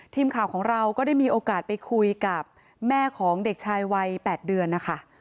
ทีมข่าวของเราก็ได้มีโอกาสไปคุยกับแม่ของเด็กชายวัย๘เดือนนะคะ